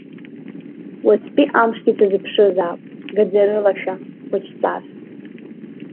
Уаҵәтәи амшгьы сазыԥшызаап, гаӡарылашәа, хәыҷҵас.